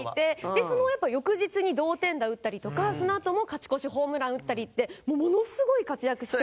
でそのやっぱ翌日に同点打打ったりとかそのあとも勝ち越しホームラン打ったりってものすごい活躍して。